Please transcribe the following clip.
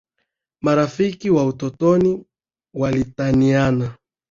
Marafiki wa utotoni walitaniana